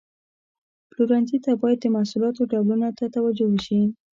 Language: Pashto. پلورنځي ته باید د محصولاتو ډولونو ته توجه وشي.